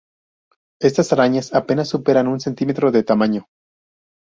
Estas arañas apenas superan un centímetro de tamaño.